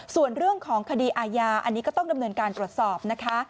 ส่วนเรื่องของคดีอาญาอันนี้ก็ต้องดำเนินการตรวจสอบนะคะ